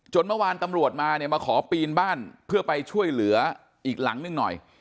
เมื่อวานตำรวจมาเนี่ยมาขอปีนบ้านเพื่อไปช่วยเหลืออีกหลังนึงหน่อย